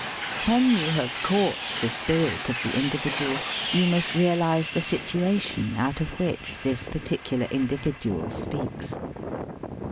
When you have caught the spirit of the individual you must realize the situation out of which this particular individual speaks.